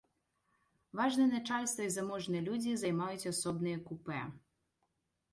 Важнае начальства і заможныя людзі займаюць асобныя купэ.